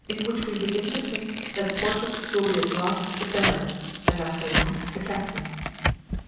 Chapter LXXXVII. Thinking that Porthos will be at last a Baron, and D'Artagnan a Captain.